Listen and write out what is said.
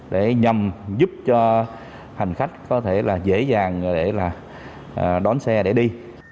để nhằm giúp cho hành khách có thể dễ dàng đón xe để đi